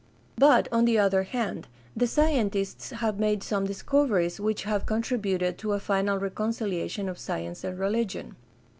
But, on the other hand, the scientists have made some dis coveries which have contributed to a final reconciliation of science and religion.